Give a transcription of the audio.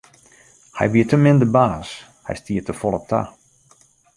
Hy wie te min de baas, hy stie te folle ta.